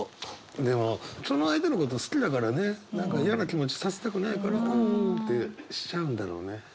でもその相手のことを好きだからね何か嫌な気持ちさせたくないから「うん」ってしちゃうんだろうね。